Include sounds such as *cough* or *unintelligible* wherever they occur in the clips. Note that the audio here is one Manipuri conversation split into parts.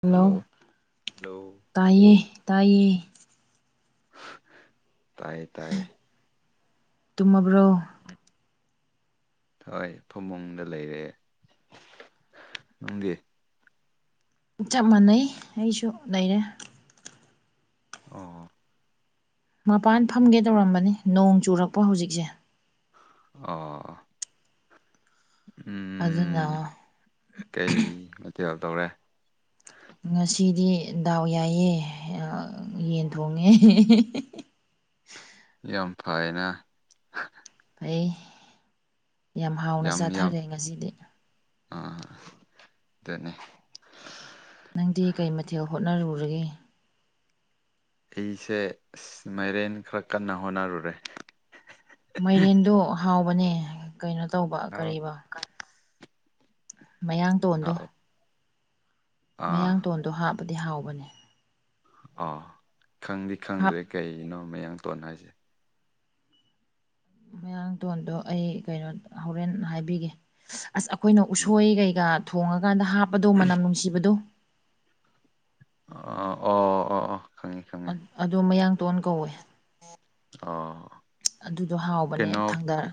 ꯍꯦꯜꯂꯣ ꯍꯜꯂꯣ ꯍꯜꯂꯣ ꯇꯥꯏꯌꯦ ꯇꯥꯏꯌꯦ꯫ ꯇꯥꯏꯌꯦ ꯇꯥꯏꯌꯦ ꯇꯨꯝꯃꯕ꯭ꯔꯣ ꯍꯣꯏ ꯊꯣꯡꯕꯨꯡꯗ ꯂꯩꯔꯦ ꯅꯪꯗꯤ꯫ ꯆꯞ ꯃꯥꯟꯅꯩ ꯑꯩꯁꯨ ꯂꯩꯔꯦ ꯑꯣ꯫ ꯃꯄꯥꯟ ꯐꯝꯒꯦ ꯇꯧꯔꯝꯕꯅꯤ ꯅꯣꯡ ꯆꯨꯔꯛꯄ ꯍꯧꯖꯤꯛꯁꯦ ꯑꯣ ꯑꯗꯨꯅ ꯎꯝ ꯀꯩ ꯃꯊꯦꯜ ꯇꯧꯔꯦ꯫ ꯉꯁꯤꯗꯤ ꯗꯥꯎ ꯌꯥꯏ ꯑ ꯌꯦꯟ ꯊꯣꯡꯉꯦ꯫ ꯌꯥꯝ ꯐꯩꯅ ꯐꯩ ꯌꯥꯝ ꯍꯥꯎꯅ ꯆꯥꯊꯔꯦ ꯉꯁꯤꯗꯤ ꯑ ꯑꯗꯨꯅꯦ꯫ ꯅꯪꯗꯤ ꯀꯩ ꯃꯊꯦꯜ ꯍꯣꯠꯅꯔꯨꯔꯒꯦ꯫ ꯑꯩꯁꯦ ꯑ ꯃꯥꯏꯔꯦꯟ ꯈꯔ ꯀꯟꯅ ꯍꯣꯠꯅꯔꯨꯔꯦ ꯃꯥꯏꯔꯦꯟꯗꯣ ꯍꯥꯎꯕꯅꯦ ꯀꯩꯅꯣ ꯇꯧꯕ ꯍꯥꯎꯅꯤ ꯀꯔꯤꯕ ꯃꯌꯥꯡ ꯇꯣꯟꯗꯣ꯫ ꯑꯥ ꯃꯌꯥꯡꯇꯣꯟꯗꯣ ꯍꯥꯞꯄꯗꯤ ꯍꯥꯎꯕꯅꯦ ꯑꯥ ꯈꯪꯗꯤ ꯍꯥꯞ ꯈꯪꯗ꯭ꯔꯦ ꯀꯩꯅꯣ ꯃꯌꯥꯡ ꯇꯣꯟꯅ ꯍꯥꯏꯁꯦ ꯃꯌꯥꯡꯊꯣꯟꯗꯣ ꯑꯩ ꯀꯩꯅꯣ ꯍꯣꯔꯦꯟ ꯍꯥꯏꯕꯤꯒꯦ ꯑꯁ ꯑꯩꯈꯣꯏꯅ ꯎꯝ ꯎꯁꯣꯏ ꯀꯩꯀꯥ ꯊꯣꯡꯉꯀꯥꯟꯗ ꯍꯥꯞꯄꯗꯣ ꯃꯅꯝ ꯅꯨꯡꯁꯤꯕꯗꯣ ꯑꯣ ꯑꯣ ꯑꯣ ꯈꯪꯉꯤ ꯈꯪꯉ ꯑꯗꯣ ꯃꯌꯥꯡꯇꯣꯟ ꯀꯧꯋꯦ ꯑ ꯑꯗꯨꯗꯣ ꯍꯥꯎꯕꯅꯦ ꯊꯥꯡꯗꯔꯛ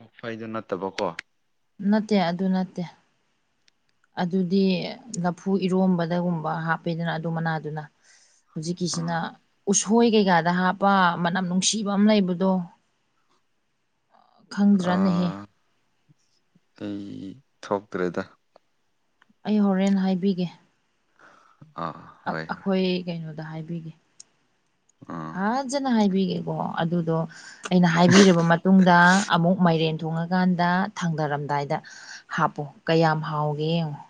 ꯑꯣ ꯐꯩꯗꯨ ꯅꯠꯇꯕꯀꯣ ꯅꯠꯇꯦ ꯑꯗꯨ ꯅꯠꯇꯦ ꯑꯗꯨꯗꯤ ꯂꯐꯨ ꯏꯔꯣꯝꯕꯗꯒꯨꯝꯕ ꯍꯥꯞꯄꯦꯗꯅ ꯑꯗꯨ ꯃꯅꯥꯗꯨꯅ ꯍꯧꯖꯤꯛꯀꯤꯁꯤꯅ ꯑꯥ ꯎꯁꯣꯏ ꯀꯩꯀꯥꯗ ꯍꯥꯞꯄ ꯃꯅꯝ ꯅꯨꯡꯁꯤꯕ ꯑꯃ ꯂꯩꯕꯗꯣ ꯈꯪꯗ꯭ꯔꯥꯅꯦꯍꯦ ꯑꯥ ꯑꯩ ꯊꯣꯛꯇ꯭ꯔꯦꯗ ꯑꯩ ꯍꯣꯔꯦꯟ ꯍꯥꯏꯕꯤꯒꯦ ꯑꯥ ꯍꯣꯏ ꯍꯣꯏ ꯑꯩꯈꯣꯏ ꯀꯩꯅꯣꯗ ꯍꯥꯏꯕꯤꯒꯦ ꯑꯥ ꯐꯖꯅ ꯍꯥꯏꯕꯤꯒꯦ ꯑꯣ ꯑꯗꯨꯗꯣ ꯑꯩꯅ ꯍꯥꯏꯕꯤꯔꯕ ꯃꯇꯨꯡꯗ ꯑꯃꯨꯛ ꯃꯥꯏꯔꯦꯟ ꯊꯣꯡꯉꯀꯥꯟꯗ ꯊꯥꯡꯗꯔꯝꯗꯥꯏꯗ ꯍꯥꯞꯄꯣ ꯀꯌꯥꯝ ꯍꯥꯎꯒꯦ ꯌꯦꯡꯉꯣ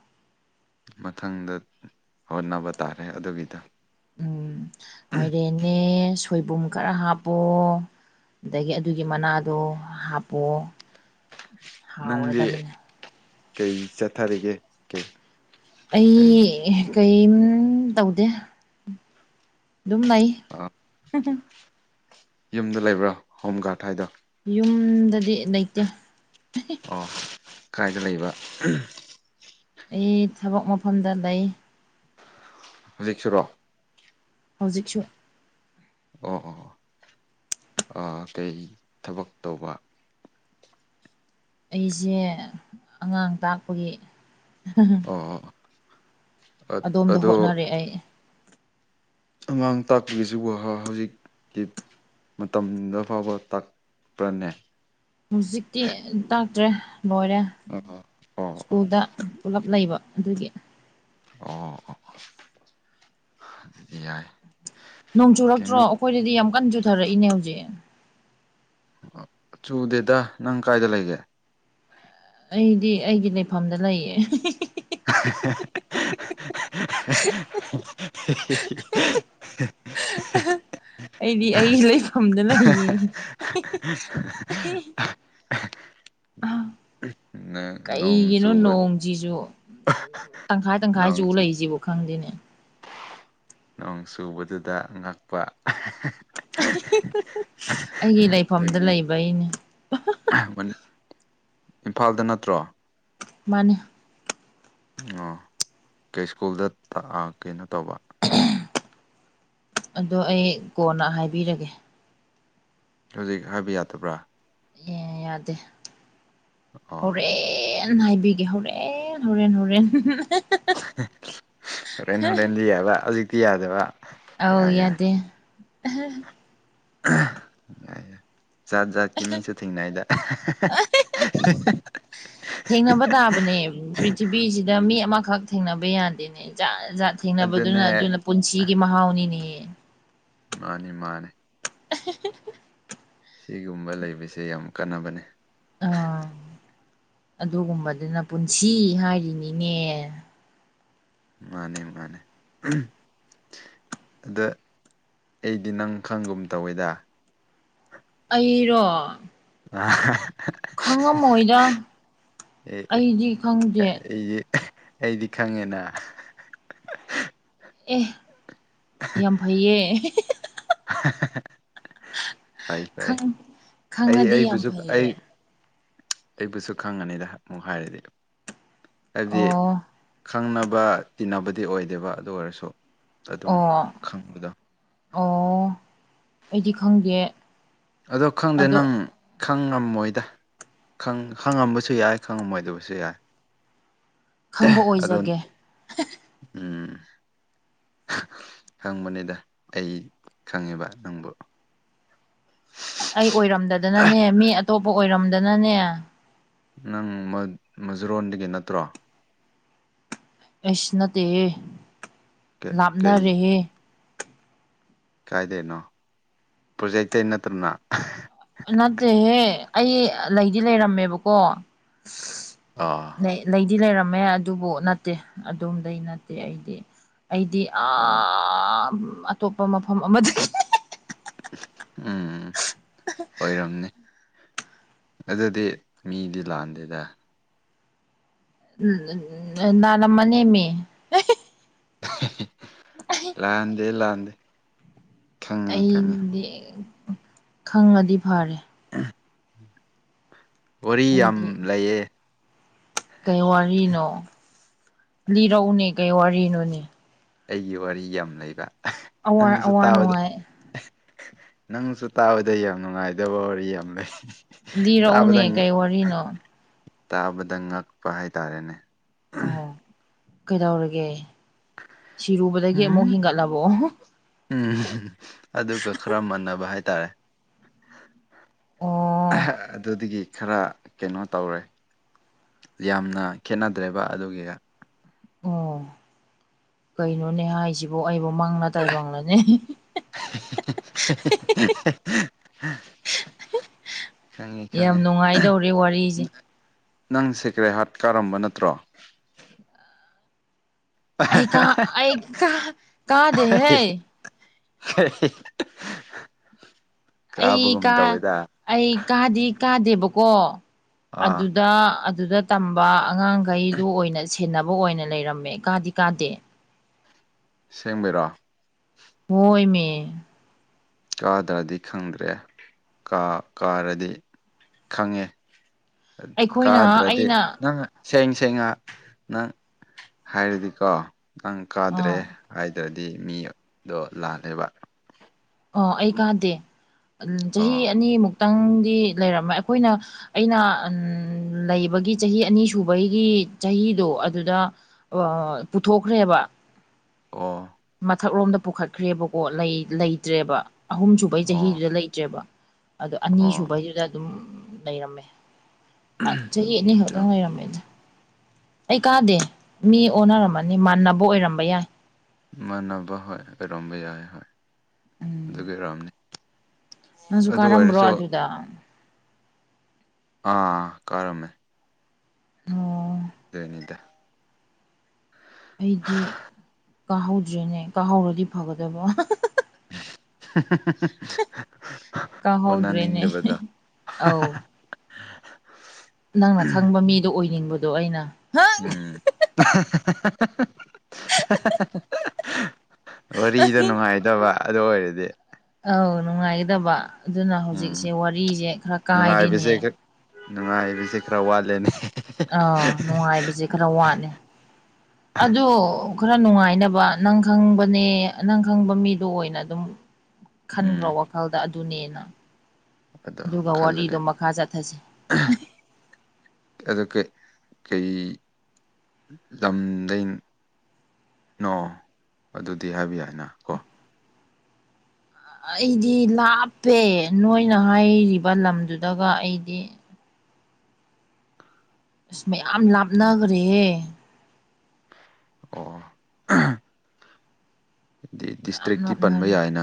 ꯃꯊꯪꯗ ꯍꯣꯠꯅꯕ ꯇꯥꯔꯦ ꯑꯗꯨꯒꯤꯗ ꯎꯝ ꯃꯥꯏꯔꯦꯟꯅꯦ ꯁꯣꯏꯕꯨꯝ ꯈꯔ ꯍꯥꯞꯄꯣ ꯑꯗꯒꯤ ꯑꯗꯨꯒꯤ ꯃꯅꯥꯗꯣ ꯍꯥꯞꯄꯣ ꯅꯪꯗꯤ ꯍꯥꯎꯔꯗꯕꯅꯦ ꯀꯩ ꯆꯠꯊꯔꯤꯒꯦ ꯀꯩ ꯀꯔꯤ ꯑꯩ ꯀꯩꯝ ꯇꯧꯗꯦ ꯑꯗꯨꯝ ꯂꯩ ꯑꯥ ꯌꯨꯝꯗ ꯂꯩꯕ꯭ꯔꯥ ꯍꯣꯝ ꯒꯥꯔꯗ ꯍꯥꯏꯗꯣ ꯌꯨꯝꯗꯗꯤ ꯂꯩꯇꯦ ꯑꯣ ꯀꯗꯥꯥꯏꯗ ꯂꯩꯕ ꯑꯩ ꯊꯕꯛ ꯃꯐꯝꯗ ꯂꯩ ꯍꯧꯖꯤꯛꯁꯨꯔꯣ ꯍꯧꯖꯤꯛꯁꯨ ꯑꯣ ꯑꯣ ꯀꯩ ꯊꯕꯛ ꯇꯧꯕ ꯑꯩꯁꯦ ꯑꯉꯥꯡ ꯇꯥꯛꯄꯒꯤ ꯑꯣ ꯑꯣ ꯑꯗꯣꯝꯗ ꯑꯗꯣ ꯍꯣꯠꯅꯔꯦ ꯑꯩ ꯑꯃꯥꯡ ꯇꯥꯛꯄꯒꯤꯁꯨ ꯋꯥꯍꯥ ꯍꯧꯖꯤꯛꯀꯤ ꯃꯇꯝꯗ ꯐꯥꯎꯕ ꯇꯥꯛꯄ꯭ꯔꯅꯦ ꯍꯧꯖꯤꯛꯇꯤ ꯇꯥꯛꯇ꯭ꯔꯦ ꯂꯣꯏꯔꯦ ꯑꯣ ꯑꯣ ꯑꯣ ꯁ꯭ꯀꯨꯜꯗ ꯄꯨꯂꯞ ꯂꯩꯕ ꯑꯗꯨꯒꯤ ꯑꯣ ꯑꯣꯗꯤ ꯌꯥꯏ ꯅꯣꯡ ꯆꯨꯔꯛꯇ꯭ꯔꯣ ꯀꯩꯅꯣ ꯑꯩꯈꯣꯏꯗꯗꯤ ꯌꯥꯝ ꯀꯟꯅ ꯆꯨꯊꯔꯛꯏꯅꯦ ꯍꯧꯖꯤꯛ ꯆꯨꯗꯦꯗ ꯅꯪ ꯀꯥꯏꯗ ꯂꯩꯒꯦ ꯑꯩꯗꯤ ꯑꯩꯒꯤ ꯂꯩꯐꯝꯗ ꯂꯩꯌꯦ *inaudible* *unintelligible* ꯑꯩꯗꯤ ꯑꯩꯒꯤ ꯂꯩꯐꯝꯗ ꯂꯩꯌꯦ ꯅꯪ ꯅꯣꯡ ꯀꯩꯒꯤꯅꯣ ꯆꯨꯕ ꯅꯣꯡꯁꯤꯁꯨ ꯇꯪꯈꯥꯏ ꯇꯪꯈꯥꯏ ꯆꯨ ꯂꯩꯁꯤꯕꯣ ꯈꯪꯗꯦꯅꯦ ꯇꯨꯕꯗꯨꯗ ꯉꯛꯄ ꯑꯩꯒꯤ ꯂꯩꯐꯝꯗ ꯑꯗꯨꯒꯤꯅꯤ ꯂꯩꯕꯩꯅꯦ ꯏꯝꯐꯥꯜꯗ ꯅꯠꯇ꯭ꯔꯣ ꯃꯥꯅꯤ ꯑꯣ ꯀꯩ ꯁ꯭ꯀꯨꯜꯗ ꯀꯩꯅꯣ ꯇꯧꯕ ꯑꯗꯣ ꯑꯩ ꯀꯣꯟꯅ ꯍꯥꯏꯕꯤꯔꯒꯦ ꯍꯧꯖꯤꯛ ꯍꯥꯏꯕ ꯌꯥꯗꯕ꯭ꯔꯥ ꯑꯦ ꯌꯥꯗꯦ ꯑꯣ ꯍꯣꯔꯦꯟ ꯀꯟꯅ ꯍꯥꯏꯕꯤꯒꯦ ꯍꯣꯔꯦꯟ ꯍꯣꯔꯦꯟ ꯍꯣꯔꯦꯟ ꯍꯣꯔꯦꯟ ꯍꯣꯔꯦꯟ ꯗꯤ ꯌꯦꯑꯕ ꯍꯧꯖꯤꯛꯇꯤ ꯌꯥꯗꯕ ꯑꯧ ꯌꯥꯏ ꯌꯥꯏ ꯌꯥꯗꯦ ꯑ ꯖꯥꯠ ꯖꯥꯠꯀꯤ ꯃꯤꯁꯨ ꯊꯦꯡꯅꯥꯏꯗ ꯊꯦꯡꯅꯕ ꯇꯥꯕꯅꯦ ꯄ꯭ꯔꯤꯊꯤꯕꯤꯁꯤꯗ ꯃꯤ ꯎꯝ ꯑꯃꯈꯛ ꯊꯦꯡꯅꯕ ꯌꯥꯗꯦꯅꯦ ꯖꯥꯠꯖꯥꯠ ꯑꯗꯨꯅꯦ ꯊꯦꯡꯅꯕꯗꯨꯅ ꯑꯗꯨꯅ ꯄꯨꯟꯁꯤꯒꯤ ꯃꯍꯥꯎꯅꯤꯅꯦ ꯃꯥꯅꯤ ꯃꯥꯅꯤ *unintelligible* ꯁꯤꯒꯨꯝꯕ ꯂꯩꯕꯁꯦ ꯌꯥꯝ ꯀꯥꯟꯅꯕꯅꯦ꯫ ꯑꯥ ꯑꯗꯨꯒꯨꯝꯕꯗꯨꯅ ꯄꯨꯟꯁꯤ ꯍꯥꯏꯔꯤꯅꯤꯅꯦ꯫ ꯃꯥꯅꯦ ꯃꯥꯅꯦ ꯑꯝꯍ ꯑꯗ ꯑꯩꯗꯤ ꯅꯪ ꯈꯪꯒꯨꯝ ꯇꯧꯋꯦꯗ ꯑꯩꯔꯣ ꯑ ꯈꯪꯉꯝꯃꯣꯏꯗ ꯑꯦ ꯑꯩꯗꯤ ꯈꯪꯗꯦ꯫ ꯑꯩꯗꯤ ꯑꯩꯗꯤ ꯈꯪꯉꯦꯅ ꯑꯦ ꯌꯥꯝ ꯐꯩꯌꯦ ꯐꯩ ꯐꯩ ꯈꯪ ꯑꯩ ꯈꯪꯉꯗꯤ ꯌꯥꯝ ꯑꯩꯕꯨꯁꯨ ꯑꯩ꯫ ꯐꯩꯌꯦ ꯑꯩꯕꯨꯁꯨ ꯈꯪꯉꯅꯤꯗ ꯑꯃꯨꯛ ꯍꯥꯏꯔꯗꯤ ꯍꯥꯏꯗꯤ꯫ ꯑꯣ ꯈꯪꯅꯕ ꯇꯤꯟꯅꯕꯗꯤ ꯑꯣꯏꯗꯦꯕ ꯑꯗꯨ ꯑꯣꯏꯔꯁꯨ ꯑꯗꯨꯝ ꯑꯣ ꯈꯪꯕꯗꯣ ꯑꯣ ꯑꯩꯗꯤ ꯈꯪꯗꯦ꯫ ꯑꯗꯣ ꯈꯪꯗꯦ ꯑꯗꯣ ꯅꯪ ꯈꯪꯉꯝꯃꯣꯏꯗ ꯈꯪꯉꯝꯕꯁꯨ ꯌꯥꯏ ꯈꯪꯉꯝꯃꯣꯏꯗꯕꯁꯨ ꯌꯥꯏ ꯈꯪꯕ ꯑꯗꯣ ꯑꯣꯏꯖꯒꯦ ꯎꯝ ꯍꯪꯕꯅꯤꯗ ꯑꯩ ꯈꯪꯉꯦꯕ ꯅꯪꯕꯨ ꯑꯩ ꯑꯣꯏꯔꯝꯗꯗꯅꯅꯦ ꯃꯤ ꯑꯇꯣꯞꯄ ꯑꯣꯏꯔꯝꯗꯅꯅꯦ ꯅꯪ ꯃꯥ ꯃꯥꯖꯥꯔꯣꯟꯗꯒꯤ ꯅꯠꯇ꯭ꯔꯣ ꯑꯥꯏꯁ ꯅꯠꯇꯦꯍꯦ ꯀꯩ ꯂꯥꯞꯅꯔꯦꯍꯦ ꯀꯥꯏꯗꯩꯅꯣ ꯄ꯭ꯔꯣꯖꯦꯇꯩ ꯅꯠꯇ꯭ꯔꫭ ꯅꯥ ꯅꯠꯇꯦꯍꯦ ꯑꯩ ꯂꯩꯗꯤ ꯂꯩꯔꯝꯃꯦꯕꯀꯣ ꯑꯥ ꯂꯩꯗꯤ ꯂꯩꯔꯝꯃꯦ ꯑꯗꯨꯕꯨ ꯅꯠꯇꯦ ꯑꯗꯨꯝꯗꯤ ꯅꯠꯇꯦ ꯑꯩꯗꯤ ꯑꯩꯗꯤ ꯑꯣ ꯑꯥ ꯑꯇꯣꯞꯄ ꯃꯐꯝ ꯑꯃꯗꯒꯤ ꯎꯝ ꯑꯣꯏꯔꯝꯅꯤ ꯑꯗꯨꯗꯤ ꯃꯤꯗꯤ ꯂꯥꯟꯗꯦꯗ ꯎꯨꯝ ꯅꯥꯔꯝꯃꯅꯦꯃꯤ ꯂꯥꯟꯗꯦ ꯂꯥꯟꯗꯦ ꯈꯪꯉꯦ ꯈꯪꯉꯦ ꯑꯩꯗꯤ ꯈꯪꯉꯗꯤ ꯐꯥꯔꯦ ꯋꯥꯔꯤ ꯌꯥꯝ ꯑꯩꯗꯤ ꯂꯩꯌꯦ ꯀꯩ ꯋꯥꯔꯤꯅꯣ ꯂꯤꯔꯧꯅꯦ ꯀꯩ ꯋꯥꯔꯤꯅꯣꯅꯦ ꯑꯩꯒꯤ ꯋꯥꯔꯤ ꯌꯥꯝ ꯂꯩꯕ ꯑꯋꯥ ꯅꯪꯁꯨ ꯑꯋꯥ ꯇꯥꯕꯗ ꯅꯨꯡꯉꯥꯏ ꯅꯪꯁꯨ ꯇꯥꯕꯗ ꯌꯥꯝ ꯅꯨꯡꯉꯥꯏꯗꯕ ꯋꯥꯔꯤ ꯌꯥꯝ ꯂꯩ ꯂꯤꯔꯛꯎꯅꯦ ꯇꯥꯕꯗꯪ ꯀꯩ ꯋꯥꯔꯤꯅꯣ ꯇꯥꯕꯗ ꯉꯛꯄ ꯍꯥꯏꯇꯥꯔꯦꯅꯦ ꯑꯣ ꯀꯩꯗꯧꯔꯒꯦ ꯁꯤꯔꯨꯕꯗꯒꯤ ꯑꯃꯨꯛ ꯍꯦꯟꯒꯠꯂꯕꯣ ꯎꯨꯝ ꯑꯗꯨꯒ ꯈꯔ ꯃꯥꯟꯅꯕ ꯍꯥꯏꯇꯥꯔꯦ ꯑꯣ ꯑꯗꯨꯗꯒꯤ ꯈꯔ ꯀꯩꯅꯣ ꯇꯧꯔꯦ ꯌꯥꯝꯅ ꯈꯦꯠꯅꯗ꯭ꯔꯦꯕ ꯑꯗꯨꯒꯤ ꯑꯣ ꯀꯩꯅꯣꯅꯦ ꯍꯥꯏꯁꯤꯕꫭ ꯑꯩꯕꯨ ꯃꯥꯡꯂꯥ ꯇꯥꯏꯕꯪ ꯂꯥꯅꯦ ꯍ ꯍ ꯍ ꯍ ꯍꯥ ꯍ ꯍꯥ ꯌꯥꯝ ꯅꯨꯡꯉꯥꯏꯗꯧꯔꯤ ꯋꯥꯔꯤꯁꯦ ꯅꯪ ꯁꯦꯀ꯭ꯔꯦ ꯍꯥꯔꯠ ꯀꯥꯔꯝꯕ ꯅꯠꯇ꯭ꯔꯣ ꯑꯩ ꯀꯥ ꯑꯩ ꯀ ꯀꯥꯗꯦꯍꯦ ꯑꯩ ꯑꯩ ꯀꯥ ꯑꯩ ꯀꯥꯗꯤ ꯀꯥꯗꯦꯕꯀꯣ ꯑꯥ ꯑꯗꯨꯗ ꯑꯗꯨꯗ ꯇꯝꯕ ꯑꯉꯥꯡꯈꯩꯗꯨ ꯑꯣꯏꯅ ꯁꯤ ꯈꯦꯅꯕ ꯑꯣꯏꯅ ꯂꯩꯔꯝꯃꯦ ꯀꯥꯗꯤ ꯀꯥꯗꯦ ꯁꯦꯡꯕꯤꯔꯣ ꯍꯣꯏꯃꯦ ꯀꯥꯗ꯭ꯔꯗꯤ ꯈꯪꯗ꯭ꯔꯦ ꯀꯥ ꯀꯥꯔꯗꯤ ꯈꯪꯉꯦ ꯑꯩꯈꯣꯏꯅ ꯀꯥꯗ꯭ꯔꯗꯤ ꯑꯩꯅ ꯅꯪ ꯁꯦꯡ ꯁꯦꯡꯅ ꯅꯪ ꯍꯥꯏꯔꯗꯤꯀꯣ ꯅꯪ ꯀꯥꯗ꯭ꯔꯦ ꯑꯥ ꯍꯥꯏꯗ꯭ꯔꯗꯤ ꯃꯤꯗꯣ ꯂꯥꯜꯂꯦꯕ ꯑꯣ ꯑꯩ ꯀꯥꯗꯦ ꯆꯍꯤ ꯑꯣ ꯑꯅꯤꯃꯨꯛꯇꯪꯗꯤ ꯂꯩꯔꯝꯃꯦ ꯑꯩꯈꯣꯏꯅ ꯑꯩꯅ ꯂꯩꯕꯒꯤ ꯆꯍꯤ ꯑꯅꯤ ꯁꯨꯕꯒꯤ ꯆꯍꯤꯗꯣ ꯑꯗꯨꯗ ꯄꯨꯊꯣꯛꯈ꯭ꯔꯦꯕ ꯑꯣ ꯃꯊꯛꯂꯣꯝꯗ ꯄꯨꯈꯠꯈ꯭ꯔꯦꯕꯀꯣ ꯂꯩ ꯂꯩꯇ꯭ꯔꯦꯕ ꯑꯍꯨꯝ ꯁꯨꯕꯩ ꯑꯣ ꯆꯍꯤꯗꯨꯗ ꯂꯩꯇ꯭ꯔꯦꯕ ꯑꯗꯣ ꯑꯣ ꯑꯅꯤꯁꯨꯕꯩꯗꯨꯗ ꯑꯗꯨꯝ ꯂꯩꯔꯝꯃꯦ ꯑ ꯆꯍꯤ ꯑꯅꯤ ꯈꯛꯇꯪ ꯂꯩꯔꯝꯃꯦꯗꯥ ꯑꯩ ꯀꯥꯗꯦ ꯃꯤ ꯑꯣꯟꯅꯔꯝꯃꯅꯤ ꯃꯥꯟꯅꯕ ꯑꯣꯏꯔꯝꯕ ꯌꯥꯏ ꯃꯅꯕ ꯍꯣꯏ ꯑꯣꯏꯔꯝꯕ ꯌꯥꯏ ꯍꯣꯏ ꯎꯝ ꯑꯗꯨꯒꯤ ꯑꯣꯏꯔꯝꯅꯤ ꯅꯪꯁꯨ ꯑꯗꯨ ꯀꯥꯔꯝꯕ꯭ꯔꯣ ꯑꯣꯏꯔꯁꯨ ꯑꯗꯨꯗ ꯑꯥ ꯀꯥꯔꯝꯃꯦ ꯑꯣ ꯑꯗꯨꯏꯅꯤꯗ ꯑꯩꯗꯤ ꯀꯥꯍꯧꯗ꯭ꯔꯦꯅꯦ ꯀꯥꯍꯧꯔꯗꯤ ꯐꯒꯗꯕ ꯇꯥꯍꯧꯗ꯭ꯔꯦꯅꯦ ꯑꯣꯟꯅꯅꯤꯡꯗꯕꯗꯣ ꯑꯧ ꯅꯪꯅ ꯈꯪꯕ ꯃꯤꯗꯣ ꯑꯣꯏꯅꯤꯡꯕꯗꯣ ꯑꯩꯅ *inaudible* ꯋꯥꯔꯤꯗ ꯅꯨꯡꯉꯥꯏꯇꯕ ꯑꯗꯨ ꯑꯣꯏꯔꯗꯤ ꯑꯧ ꯅꯨꯡꯉꯥꯏꯒꯗꯕ ꯑꯗꯨꯅ ꯍꯧꯖꯤꯛꯁꯦ ꯎꯝ ꯋꯥꯔꯤꯁꯦ ꯈꯔ ꯀꯥꯏꯔꯦꯅꯦ ꯅꯨꯡꯉꯥꯏꯕꯁꯦ ꯈꯛ ꯅꯨꯡꯉꯥꯏꯕꯁꯦ ꯈꯔ ꯋꯥꯠꯂꯦꯅꯦ ꯑꯥ ꯅꯨꯡꯉꯥꯏꯕꯁꯤ ꯈꯔ ꯋꯥꯠꯂꯦ ꯑꯗꯨ ꯈꯔ ꯅꯨꯡꯉꯥꯏꯅꯕ ꯅꯪ ꯈꯪꯕꯅꯦ ꯅꯪ ꯈꯪꯕ ꯃꯤꯗꯣ ꯑꯣꯏꯅ ꯑꯗꯨꯝ ꯎꯝ ꯈꯟꯈ꯭ꯔꯣ ꯋꯥꯈꯜꯗ ꯑꯗꯨꯅꯦꯅ ꯑꯗꯣ ꯑꯗꯨꯒ ꯈꯜꯂꯒꯦ ꯋꯥꯔꯤꯗꯣ ꯃꯈꯥ ꯆꯠꯊꯁꯤ ꯑꯥ ꯑꯗꯨ ꯀꯩ ꯀꯩ ꯂꯝꯗꯩ ꯅꯣ ꯑꯗꯨꯗꯤ ꯍꯥꯏꯕ ꯌꯥꯏꯅꯥ ꯀꯣ ꯑꯩꯗꯤ ꯂꯥꯞꯄꯦ ꯅꯣꯏꯅ ꯍꯥꯏꯔꯤꯕ ꯂꯝꯗꯨꯗꯒ ꯑꯩꯗꯤ ꯑꯁ ꯃꯌꯥꯝ ꯎꯝ ꯂꯥꯞꯅꯈ꯭ꯔꯦ ꯑꯣ ꯑꯥ ꯑꯗꯨꯗꯤ ꯌꯥꯝ ꯗꯤꯁꯇ꯭ꯔꯤꯛꯇꯤ ꯄꯟꯕ ꯂꯥꯞꯅꯔꯦ ꯌꯥꯏꯅ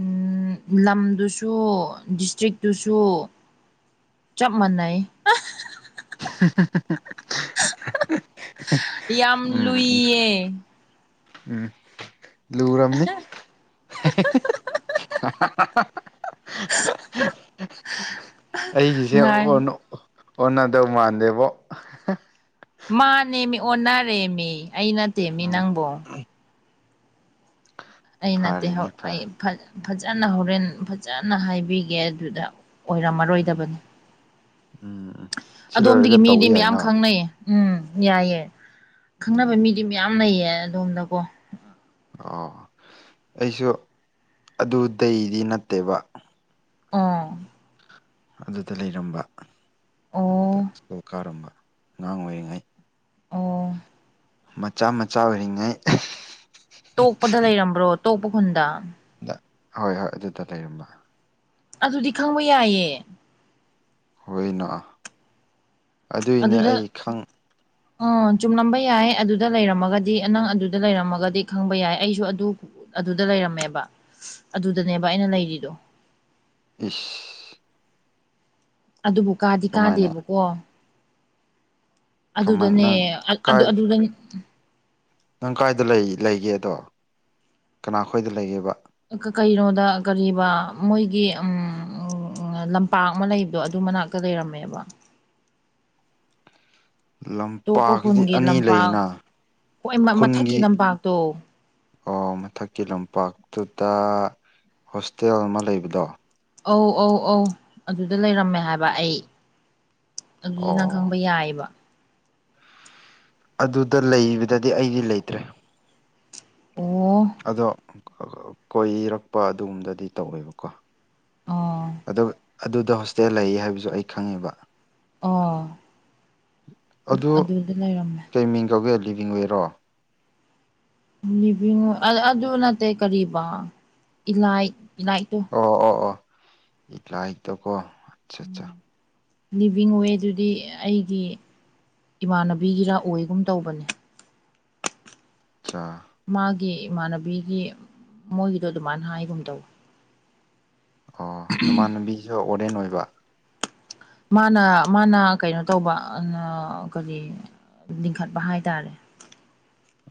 ꯎꯨꯝ ꯂꯝꯗꯨꯁꯨ ꯗꯤꯁꯇ꯭ꯔꯤꯛꯇꯨꯁꯨ ꯆꯞ ꯃꯥꯟꯅꯩ ꯑꯥ ꯍ ꯍ ꯍ ꯍ ꯍ ꯍꯥ ꯌꯥꯝ ꯂꯨꯏꯌꯦ ꯎꯨꯝ ꯂꯨꯔꯝꯅꯤ ꯍꯤ ꯍꯤ ꯍꯤ ꯍ ꯍ ꯍ *inaudible* ꯑꯩꯒꯤꯁꯦ ꯉꯥꯏ ꯑꯣꯟꯅꫭ ꯑꫭꯟꯅꯗꯧ ꯃꯥꯟꯗꯦꯕꯣ ꯃꯥꯅꯦ ꯃꯤ ꯑꯣꯟꯅꯔꯦ ꯃꯤ ꯑꯩ ꯅꯠꯇꯦ ꯃꯤ ꯎꯝ ꯅꯪꯕꯣ ꯑꯩ ꯅꯠꯇꯦ ꯐꯔꯦꯅꯦ ꯑꯩ ꯐꯔꯦ ꯐꯖꯅ ꯍꯣꯔꯦꯟ ꯐꯖꯅ ꯍꯥꯏꯕꯤꯒꯦ ꯑꯗꯨꯗ ꯎꯝ ꯑꯣꯏꯔꯝꯃꯔꯣꯏꯗꯕꯅꯤ ꯎꯝ ꯎꯝ ꯁꯤ ꯑꯗꯣꯝꯗꯒꯤ ꯂꯣꯏꯔꯒ ꯃꯤꯗꯤ ꯇꯧꯕ ꯃꯌꯥꯝ ꯌꯥꯏꯅ ꯈꯪꯅꯩꯌꯦ ꯎꯨꯝ ꯌꯥꯏꯌꯦ ꯈꯪꯅꯕ ꯎꯝ ꯃꯤꯗꯤ ꯃꯌꯥꯝ ꯂꯩꯌꯦ ꯑꯗꯣꯝꯗꯀꯣ ꯑꯣ ꯑꯩꯁꯨ ꯑꯗꯨꯗꯤ ꯅꯠꯇꯦꯕ ꯑꯣ ꯑꯗꯨꯗ ꯂꯩꯔꯝꯕ ꯑꯗꯨꯗ ꯑꯣ ꯁ꯭ꯀꯨꯜ ꯀꯥꯔꯝꯕ ꯑꯉꯥꯡ ꯑꯣꯏꯔꯤꯉꯩ ꯑꯣ ꯃꯆꯥ ꯃꯆꯥ ꯑꯣꯏꯔꯤꯉꯩ ꯇꯣꯛꯄꯗ ꯂꯩꯔꯝꯕ꯭ꯔꯣ ꯇꯣꯛꯄ ꯈꯨꯟꯗ ꯗ ꯍꯣꯏ ꯍꯣꯏ ꯑꯗꯨꯗ ꯂꯩꯔꯝꯕ ꯑꯗꯨꯗꯤ ꯈꯪꯕ ꯌꯥꯏꯌꯦ ꯍꯣꯏꯅꯥ ꯑꯗꯨꯏꯅꯦ ꯑꯩ ꯈꯪ ꯑꯣ ꯆꯨꯝꯂꯝꯕ ꯌꯥꯏ ꯑꯗꯨꯗ ꯂꯩꯔꯝꯃꯒꯗꯤ ꯅꯪ ꯑꯗꯨꯗ ꯂꯩꯔꯝꯃꯒꯗꯤ ꯈꯪꯕ ꯌꯥꯏ ꯑꯩꯁꯨ ꯑꯗꯨ ꯑꯗꯨꯗ ꯂꯩꯔꯝꯃꯦꯕ ꯑꯗꯨꯗꯅꯦꯕ ꯑꯩꯅ ꯂꯩꯔꯤꯗꯣ ꯏꯁ ꯑꯗꯨꯕꯨ ꯀꯥꯗꯤ ꯀꯃꯥꯏꯅ ꯀꯥꯗꯦꯕꯀꯣ ꯀꯃꯥꯏ ꯑꯗꯨꯗꯅꯦ ꯅꯪ ꯑꯗꯨ ꯀꯥꯏ ꯑꯗꯨꯗꯅꯦ ꯅꯪ ꯀꯥꯏꯗ ꯂꯩꯒꯦꯗꯣ ꯀꯅꯥꯈꯣꯏꯗ ꯂꯩꯒꯦꯕ ꯀꯩꯅꯣꯗ ꯀꯕꯥ ꯃꯣꯏꯒꯤ ꯎꯝ ꯑꯣ ꯂꯝꯄꯥꯛ ꯑꯃ ꯂꯩꯕꯗꯣ ꯑꯗꯨ ꯃꯅꯥꯛꯇ ꯂꯩꯔꯝꯃꯦꯕ ꯇꯣꯞꯄ ꯂꯝꯄꯥꯛꯁꯤꯗꯤ ꯈꯨꯟꯒꯤ ꯑꯅꯤ ꯂꯝꯄꯥꯛ ꯂꯩꯅ ꯍꯣꯏ ꯈꯨꯟꯒꯤ ꯃꯊꯛꯀꯤ ꯂꯝꯄꯥꯛꯇꯣ ꯑꯣ ꯃꯊꯛꯀꯤ ꯂꯝꯄꯥꯛꯇꯨꯗ ꯍꯣꯁꯇꯦꯜ ꯑꯃ ꯂꯩꯕꯗꯣ ꯑꯧ ꯑꯧ ꯑꯧ ꯑꯗꯨꯗ ꯂꯩꯔꯝꯃꯦ ꯍꯥꯏꯕ ꯑꯩ ꯑꯗꯨꯗꯤ ꯅꯪ ꯈꯪ ꯑꯣ ꯍꯣꯏ ꯌꯥꯏꯕ ꯑꯗꯨꯗ ꯂꯩꯕꯗꯗꯤ ꯑꯩꯗꯤ ꯂꯩꯇ꯭ꯔꯦ ꯑꯣꯑꯑ ꯑꯗꯣ ꯀꯣꯏꯔꯛꯄ ꯑꯗꯨꯒꯨꯝꯕꯗꯗꯤ ꯇꯧꯋꯦꯕꯀꯣ ꯑꯣ ꯑꯗꯨꯗ ꯍꯣꯁꯇꯦꯜ ꯂꯩ ꯍꯥꯏꯕꯁꯨ ꯑꯩ ꯈꯪꯉꯦꯕ ꯑꯣ ꯑꯗꯨ ꯑꯗꯨꯗ ꯂꯩꯔꯝꯃꯦ ꯀꯩ ꯃꯤꯡ ꯀꯧꯒꯦ ꯂꯤꯕꯤ ꯑꯣꯏꯋꯦꯔꯣ? ꯂꯤꯚꯉ ꯑꯗꯨ ꯅꯠꯇꯦ ꯀꯔꯤꯕ ꯏꯂꯥꯏꯠ ꯏꯂꯥꯏꯠꯇꯣ ꯑꯣ ꯑꯣ ꯑꯣ ꯂꯥꯏꯗꯀꯣ ꯑꯆꯥ ꯑꯠꯆꯥ ꯂꯤꯕꯤꯡ ꯋꯦꯗꯨꯗꯤ ꯑꯩꯒꯤ ꯏꯃꯥꯟꯅꯕꯤꯒꯤꯔ ꯑꯣꯏꯒꯨꯝ ꯇꯧꯕꯅꯦ ꯆꯥꯆ ꯃꯥꯒꯤ ꯏꯃꯥꯟꯅꯕꯤꯒꯤ ꯃꯣꯏꯒꯤꯗꯣ ꯑꯗꯨꯃꯥꯏꯅ ꯍꯥꯏꯒꯨꯝ ꯇꯧꯋ ꯑꯣ ꯃꯃꯥꯟꯕꯤꯁꯨ ꯋꯥꯔꯗꯦꯟ ꯑꯣꯏꯕ ꯃꯥꯅ ꯃꯥꯅ ꯀꯩꯅꯣ ꯇꯧꯕ ꯀꯔꯤ ꯂꯤꯡꯈꯠꯄ ꯍꯥꯏꯇꯥꯔꯦ